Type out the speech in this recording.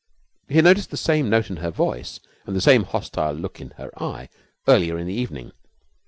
He had noticed the same note in her voice and the same hostile look in her eye earlier in the evening.